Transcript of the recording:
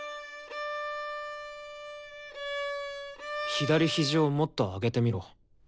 左肘をもっと上げてみろ。